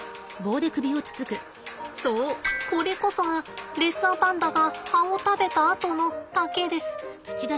そうこれこそがレッサーパンダが葉を食べたあとの竹です。